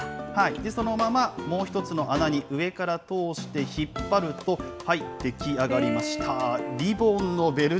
そのままもう１つの穴に上から通して引っ張ると、はい、出来上がりました。